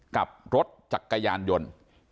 กับรถจักรยานยนต์